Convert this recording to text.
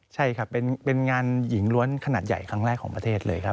ใช่ครับเป็นงานหญิงล้วนขนาดใหญ่ครั้งแรกของประเทศเลยครับ